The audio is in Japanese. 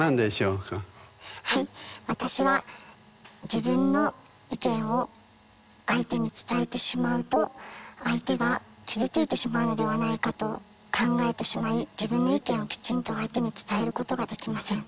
私は自分の意見を相手に伝えてしまうと相手が傷ついてしまうのではないかと考えてしまい自分の意見をきちんと相手に伝えることができません。